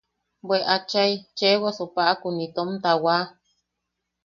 –¡Bwe achai! Cheewasu paʼakun itom tawa.